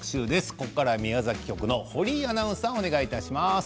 ここからは宮崎局の堀井アナウンサーお願いします。